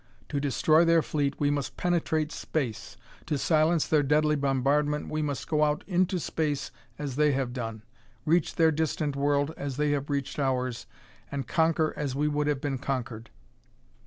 To destroy their fleet we must penetrate space; to silence their deadly bombardment we must go out into space as they have done, reach their distant world as they have reached ours, and conquer as we would have been conquered.